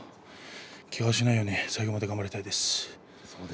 けがしないように最後まで頑張りたいです。